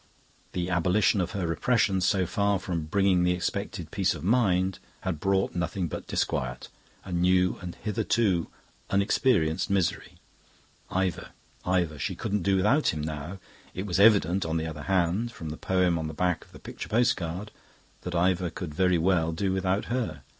The abolition of her repressions, so far from bringing the expected peace of mind, had brought nothing but disquiet, a new and hitherto unexperienced misery. Ivor, Ivor...She couldn't do without him now. It was evident, on the other hand, from the poem on the back of the picture postcard, that Ivor could very well do without her.